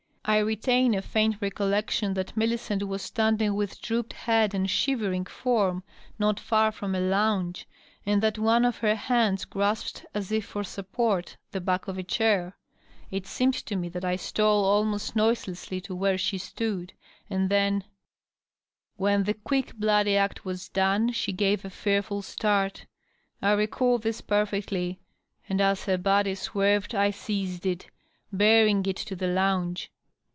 I retain a faint recollection that Millicent was standing with drooped head and shivering form not far from a lounge, and that one of her hands grasped, as if for support, the back of a chair. It seems to me that I stole almost noiselessly to where she stood, and then When the quick, bloody act was done she gave a fearful start. I recall this perfectly, and as her body swerved I seized it, bearing it to the lounge.